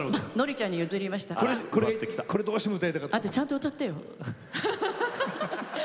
ちゃんと歌ってよ。